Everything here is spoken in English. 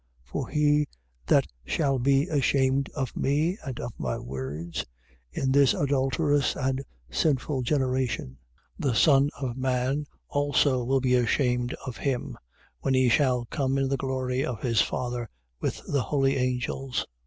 For he that shall be ashamed of me and of my words, in this adulterous and sinful generation: the Son of man also will be ashamed of him, when he shall come in the glory of his Father with the holy angels.